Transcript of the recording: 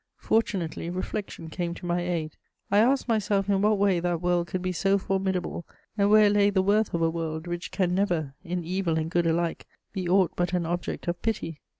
Fortunately, reflection came to my aid. I asked myself in what way that world could be so formidable and where lay the worth of a world which can never, in evil and good alike, be aught but an object of pity.